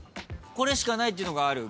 これしかないっていうのがある？